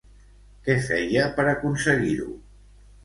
Què feia per aconseguir-ho?